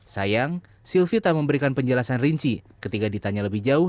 sayang silvita memberikan penjelasan rinci ketika ditanya lebih jauh